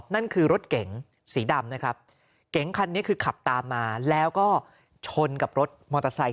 นั่นคือรถเก๋งสีดำนะครับเก๋งคันนี้คือขับตามมาแล้วก็ชนกับรถมอเตอร์ไซค์